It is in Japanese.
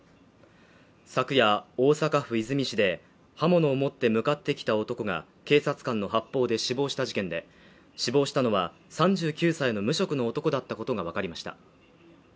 昨夜、大阪府和泉市で刃物を持って向かってきた男が、警察官の発砲で死亡した事件で、死亡したのは３９歳の無職の男だったことがわかりました。